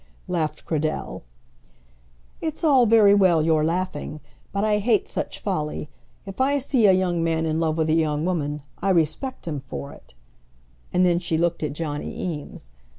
laughed Cradell. "It's all very well your laughing, but I hate such folly. If I see a young man in love with a young woman, I respect him for it;" and then she looked at Johnny Eames.